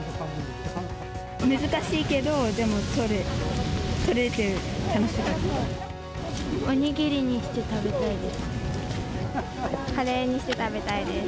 難しいけど、でも取れて楽しお握りにして食べたいです。